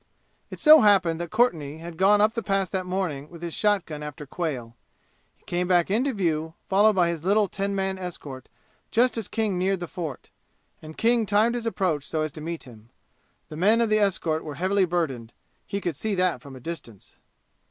It so happened that Courtenay had gone up the Pass that morning with his shotgun after quail. He came back into view, followed by his little ten man escort just as King neared the fort, and King timed his approach so as to meet him. The men of the escort were heavily burdened; he could see that from a distance.